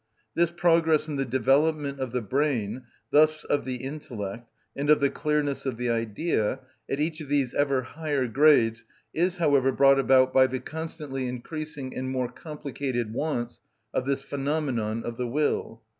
This progress in the development of the brain, thus of the intellect, and of the clearness of the idea, at each of these ever higher grades is, however, brought about by the constantly increasing and more complicated wants of this phenomenon of the will.